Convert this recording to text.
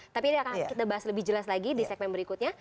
tapi ini akan kita bahas lebih jelas lagi di segmen berikutnya